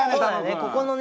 ここのね